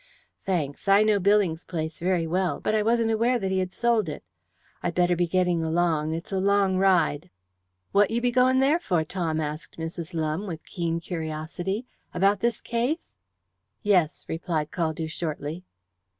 "Thanks. I know Billing's place very well, but I wasn't aware that he had sold it. I'd better be getting along. It's a good long ride." "What be you goin' there for, Tom?" asked Mrs. Lumbe, with keen curiosity. "About this case?" "Yes," replied Caldew shortly.